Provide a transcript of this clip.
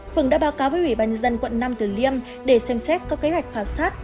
phường đã báo cáo với ubnd quận nam tử liêm để xem xét có kế hoạch khảo sát